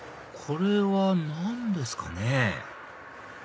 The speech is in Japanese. これは何ですかね？